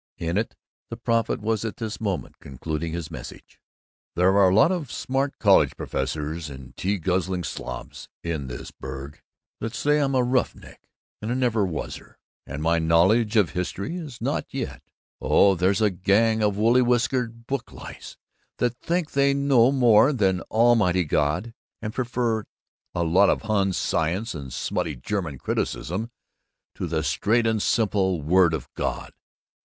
In it the prophet was at this moment concluding his message: "There's a lot of smart college professors and tea guzzling slobs in this burg that say I'm a roughneck and a never wuzzer and my knowledge of history is not yet. Oh, there's a gang of woolly whiskered book lice that think they know more than Almighty God, and prefer a lot of Hun science and smutty German criticism to the straight and simple Word of God.